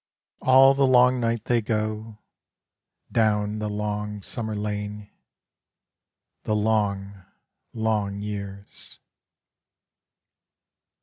All the long night they go, down the long summer lane, The long, long years.